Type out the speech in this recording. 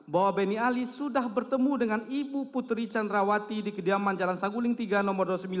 bahwa benny ali sudah bertemu dengan ibu putri candrawati di kediaman jalan saguling tiga nomor dua puluh sembilan